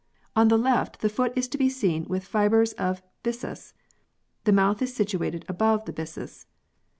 On the left the foot is to be seen with fibres of byssus. The mouth is situated above the byssus.